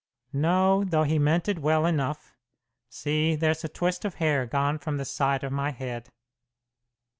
"No, though he meant it well enough. See, there's a twist of hair gone from the side of my head."